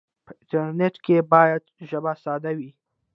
په انټرنیټ کې باید ژبه ساده وي.